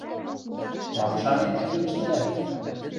Мам шанен, тенге ӹштӹлӓт?